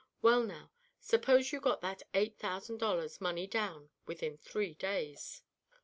Well, now, suppose you got that eight thousand dollars money down within three days?"